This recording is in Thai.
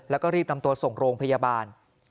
แล้วก็รีบนำตัวส่งโรงพยาบาล